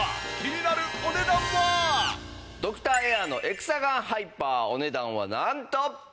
さあドクターエアのエクサガンハイパーお値段はなんと。